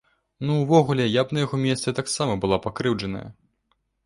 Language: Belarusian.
Ну, увогуле, я б на яго месцы таксама была пакрыўджаная.